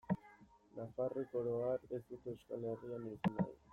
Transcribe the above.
Nafarrek, oro har, ez dute Euskal Herria izan nahi.